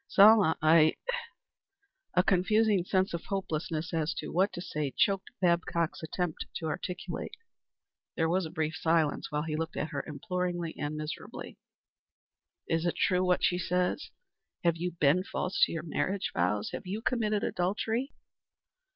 "Selma, I " A confusing sense of hopelessness as to what to say choked Babcock's attempt to articulate. There was a brief silence, while he looked at her imploringly and miserably. "Is it true what she says? Have you been false to your marriage vows? Have you committed adultery?"